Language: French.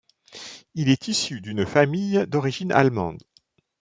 Il est issu d'une famille d'origine allemande.